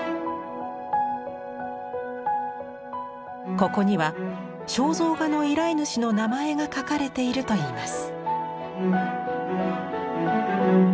ここには肖像画の依頼主の名前が書かれているといいます。